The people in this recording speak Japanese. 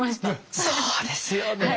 そうですよね。